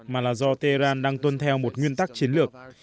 mà là do tehran đang tuân theo một nguyên tắc chiến lược